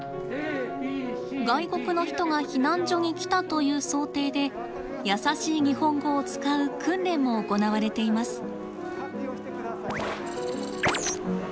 外国の人が避難所に来たという想定で「やさしい日本語」を使う訓練も行われています。